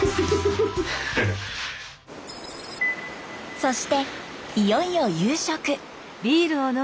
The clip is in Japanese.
そしていよいよ夕食。